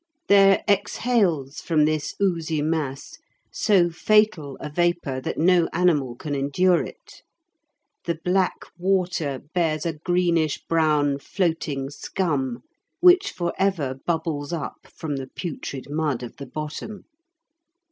There exhales from this oozy mass so fatal a vapour that no animal can endure it. The black water bears a greenish brown floating scum, which for ever bubbles up from the putrid mud of the bottom.